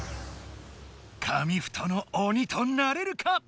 紙フトの鬼となれるか？